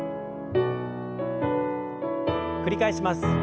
繰り返します。